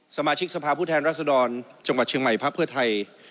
สมาชิกสภาพผู้แทนรัศดรจังหวัดเชียงใหม่พักเพื่อไทย